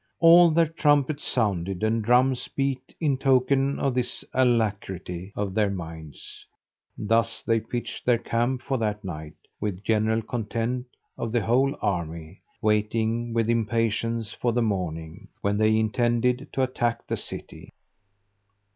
All their trumpets sounded, and drums beat, in token of this alacrity of their minds: thus they pitched their camp for that night, with general content of the whole army, waiting with impatience for the morning, when they intended to attack the city.